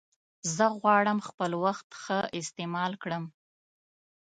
زه غواړم خپل وخت ښه استعمال کړم.